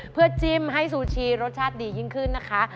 เพื่อจิ้มให้ซูชีรสชาติดียิ่งขึ้นนะคะ